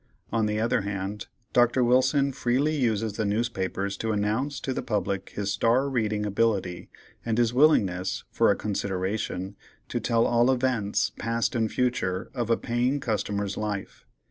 On the other hand Dr. Wilson freely uses the newspapers to announce to the public his star reading ability, and his willingness, for a consideration, to tell all events, past and future, of a paying customer's life.